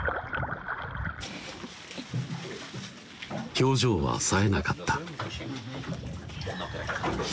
表情はさえなかった